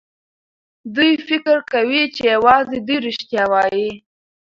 دوی فکر کوي چې يوازې دوی رښتيا وايي.